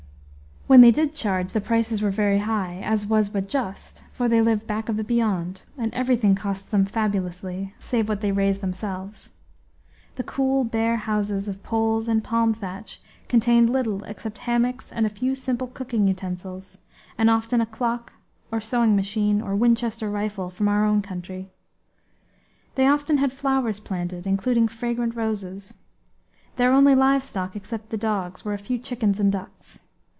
When they did charge, the prices were very high, as was but just, for they live back of the beyond, and everything costs them fabulously, save what they raise themselves. The cool, bare houses of poles and palm thatch contained little except hammocks and a few simple cooking utensils; and often a clock or sewing machine, or Winchester rifle, from our own country. They often had flowers planted, including fragrant roses. Their only live stock, except the dogs, were a few chickens and ducks.